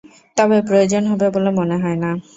তবে প্রয়োজন হবে বলে মনে হয় না।